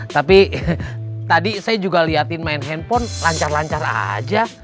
tapi tadi saya juga liatin main handphone lancar lancar aja